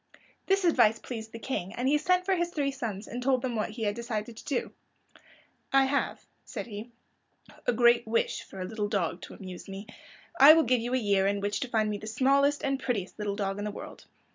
This advice pleased the King, and he sent for his three sons, and told them what he had decided to do. "I have," said he, "a great wish for a little dog to amuse me. I will give you a year in which to find me the smallest and prettiest little dog in the world.